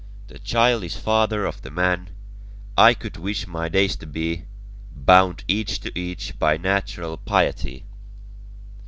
The Child is father of the Man; I could wish my days to be Bound each to each by natural piety.